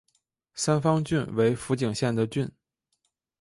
三方郡为福井县的郡。